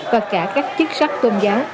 và cả các chức sách tôn giáo